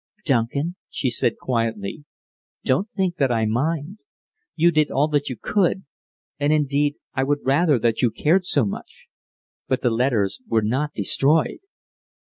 "Duncan," she said quietly, "don't think that I mind. You did all that you could, and indeed I would rather that you cared so much. But the letters were not destroyed."